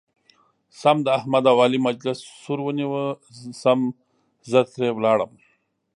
سم د احمد او علي مجلس سور ونیو سم زه ترې ولاړم.